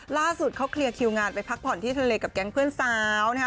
ล่าสุดเขาเคลียร์คิวงานไปพักผ่อนที่ทะเลกับแก๊งเพื่อนสาวนะฮะ